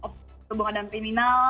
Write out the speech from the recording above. kehubungan dengan kriminal